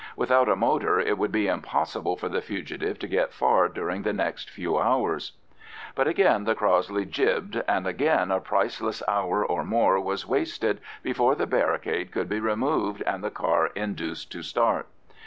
Without a motor it would be impossible for the fugitive to get far during the next few hours. But again the Crossley jibbed, and again a priceless hour or more was wasted before the barricade could be removed and the car induced to start.